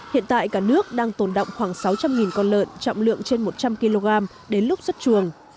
hiện tại cả nước đang tồn động khoảng sáu trăm linh con lợn trọng lượng trên một trăm linh kg đến lúc xuất chuồng